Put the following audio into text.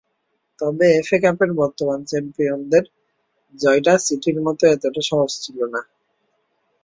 তবে এফএ কাপের বর্তমান চ্যাম্পিয়নদের জয়টা সিটির মতো এতটা সহজ ছিল না।